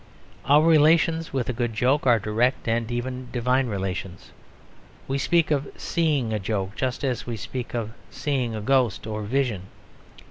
Our relations with a good joke are direct and even divine relations. We speak of "seeing" a joke just as we speak of "seeing" a ghost or a vision.